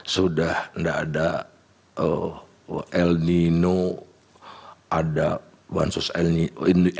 sudah enggak ada el nino ada bansos el nino